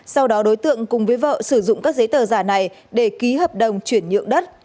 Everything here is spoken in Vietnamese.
sau đó đối tượng cùng với vợ sử dụng các giấy tờ giả này để ký hợp đồng chuyển nhượng đất